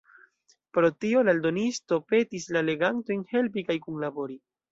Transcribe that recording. Pro tio la eldonisto petis la legantojn helpi kaj kunlabori.